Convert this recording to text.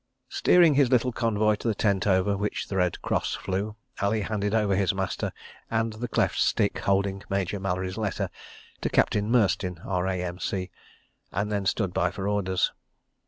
Steering his little convoy to the tent over which the Red Cross flew, Ali handed over his master and the cleft stick holding Major Mallery's letter, to Captain Merstyn, R.A.M.C., and then stood by for orders.